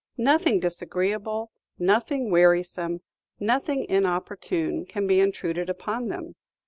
Nothing disagreeable, nothing wearisome, nothing inopportune, can be intruded upon them.